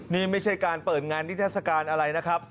นี่ไม่ใช่การเปิดงานนิทัศกาลอะไรนะครับ